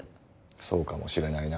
そうかもしれないな。